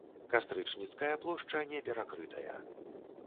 Кастрычніцкая плошча не перакрытая.